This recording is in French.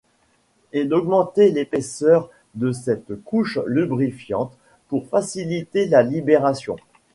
Et d'augmenter l'épaisseur de cette couche lubrifiante pour faciliter la libération.